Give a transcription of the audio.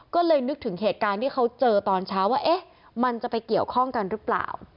ก็เลยนึกถึงเหตุการณ์ที่เขาเจอตอนเช้าว่าเอ๊ะมันจะไปเกี่ยวข้องกันหรือเปล่า